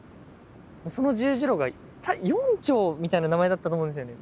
その十字路が「四丁」みたいな名前だったと思うんですよね。